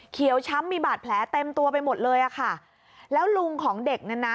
ช้ำมีบาดแผลเต็มตัวไปหมดเลยอ่ะค่ะแล้วลุงของเด็กนั้นนะ